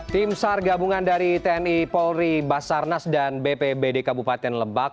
tim sar gabungan dari tni polri basarnas dan bpbd kabupaten lebak